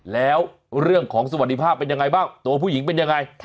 แล้วเรื่องของสวัสดิภาพเป็นยังไงบ้างตัวผู้หญิงเป็นยังไง